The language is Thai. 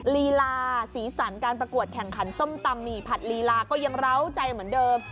ลีลาสีสันการประกวดแข่งขันส้มตำหมี่ผัดลีลาก็ยังเล้าใจเหมือนเดิม